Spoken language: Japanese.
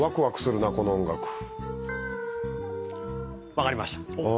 分かりました。